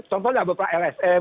contohnya beberapa lsm